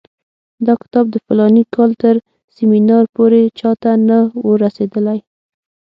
دا کتاب د فلاني کال تر سیمینار پورې چا ته نه وو رسېدلی.